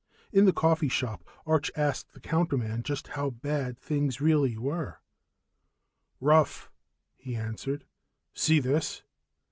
In the coffee shop, Arch asked the counterman just how bad things really were. "Rough," he answered. "See this?"